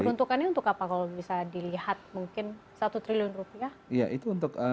dan peruntukannya untuk apa kalau bisa dilihat mungkin satu triliun rupiah